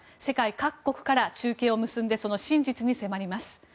世界各国から中継を結んでその真実に迫ります。